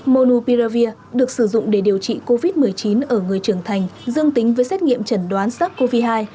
monoprilavir được sử dụng để điều trị covid một mươi chín ở người trưởng thành dương tính với xét nghiệm chẩn đoán sắc covid hai